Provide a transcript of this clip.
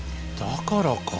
だからか。